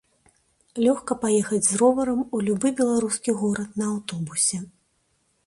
Лёгка паехаць з роварам у любы беларускі горад на аўтобусе.